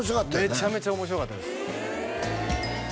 めちゃめちゃ面白かったです